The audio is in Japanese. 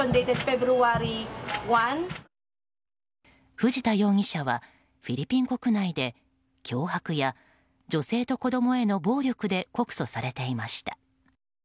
藤田容疑者はフィリピン国内で脅迫や女性と子供への暴力で告訴されていました。